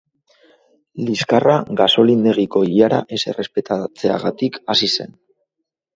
Liskarra gasolindegiko ilara ez errespetatzeaagtik hasi zen.